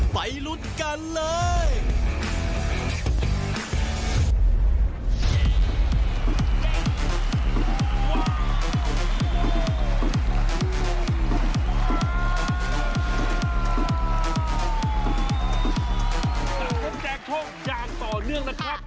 ไปลุ้นกันเลย